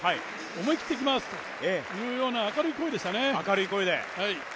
思い切っていきます！というような明るい声でしたね。